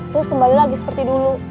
terus kembali lagi seperti dulu